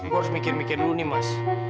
gue harus mikir mikir dulu nih mas